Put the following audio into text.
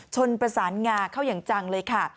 ชนประสานงาเข้าอย่างจังเลยค่ะ